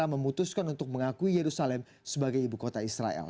kali ini trump memutuskan untuk mengakui yerusalem sebagai ibu kota israel